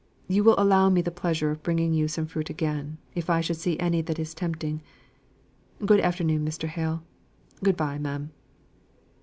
You will allow me the pleasure of bringing you some fruit again, if I should see any that is tempting. Good afternoon, Mr. Hale. Good bye, ma'am."